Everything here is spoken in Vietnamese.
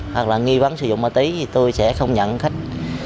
hoặc là nghi vấn sử dụng ma túy thì tôi sẽ không nhận khách